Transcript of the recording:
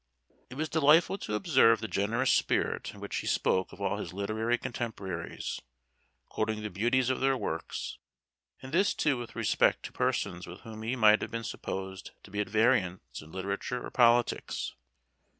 It was delightful to observe the generous spirit in which he spoke of all his literary contemporaries, quoting the beauties of their works, and this, too, with respect to persons with whom he might have been supposed to be at variance in literature or politics.